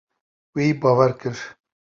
Wî bawer kir.